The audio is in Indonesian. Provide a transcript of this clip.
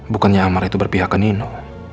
bukannya amar itu berpihak ke nino